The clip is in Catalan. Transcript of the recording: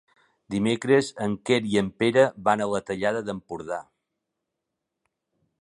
Dimecres en Quer i en Pere van a la Tallada d'Empordà.